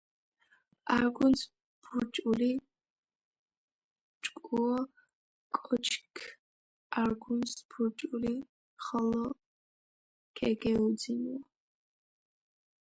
არგუნცჷ ბურჭული გიოჸოთესია.უჭკუო კოჩქ არგუნს ბურჭული ხოლო ქეგეუძინუა.